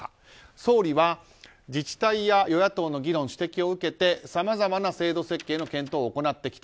総理は自治体や与野党の議論指摘を受けてさまざまな制度設計の検討を行ってきた。